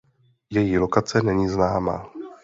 Její lokace není známa.